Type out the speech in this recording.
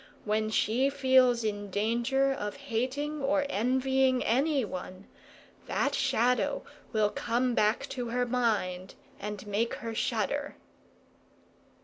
When she feels in danger of hating or envying anyone, that Shadow will come back to her mind and make her shudder."